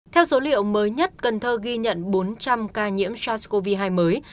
theo số liệu mới nhất cần thơ ghi nhận bốn trăm linh ca nhiễm sars cov hai mới